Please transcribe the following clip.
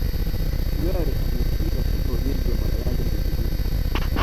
Mfugale amehusika katika ujenzi wa madaraja mengine mengi